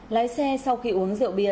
lái xe sau khi uống rượu bia